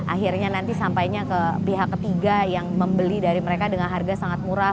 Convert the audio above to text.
akhirnya nanti sampainya ke pihak ketiga yang membeli dari mereka dengan harga sangat murah